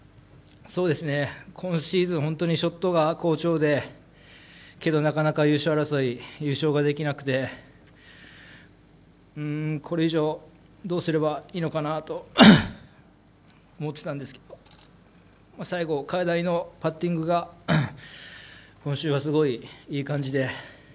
今シーズン本当にショットが好調でけど、なかなか優勝争い優勝ができなくてこれ以上、どうすればいいのかなと思ってたんですけど最後、パッティングがすごいいい感じで。